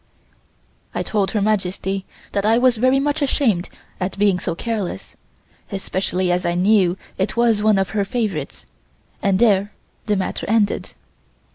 I told Her Majesty that I was very much ashamed at being so careless, especially as I knew it was one of her favorites, and there the matter ended.